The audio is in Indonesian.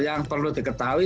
yang perlu diketahui